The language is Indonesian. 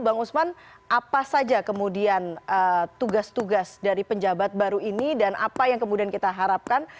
bang usman apa saja kemudian tugas tugas dari penjabat baru ini dan apa yang kemudian kita harapkan